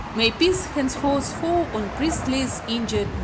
May peace henceforth fall on 'Priestley's injured name.'